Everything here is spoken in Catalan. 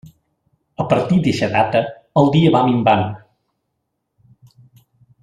A partir d'eixa data, el dia va minvant.